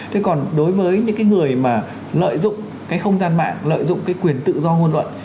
thế còn đối với những cái người mà lợi dụng cái không gian mạng lợi dụng cái quyền tự do ngôn luận